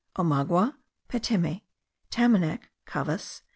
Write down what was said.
Omagua; petema. Tamanac; cavas.